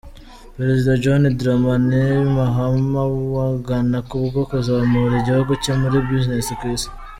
Perezida John Dramani Mahama wa Ghana, kubwo kuzamura igihugu cye muri business ku Isi.